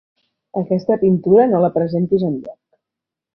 Aquesta pintura no la presentis enlloc.